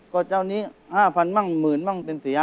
ก็เจ้านี้๕๐๐๐บ้าง๑๐๐๐๐บ้างเต็ม๔๕๐๐๐๐ครับ